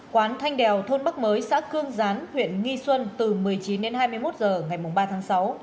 quán thanh đèo thôn bắc mới xã cương gián huyện nghi xuân từ một mươi chín đến hai mươi một h ngày ba tháng sáu